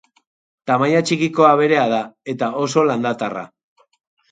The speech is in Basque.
Tamaina txikiko aberea da, eta oso landatarra.